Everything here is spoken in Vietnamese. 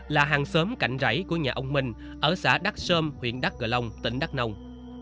là hàng xóm cảnh rảy của nhà ông minh ở xã đắc sơm huyện đắc gờ long tỉnh đắc nông